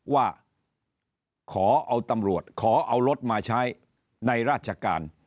ว่าขอเอาตำรวจขอเอารถมาใช้ในราชการ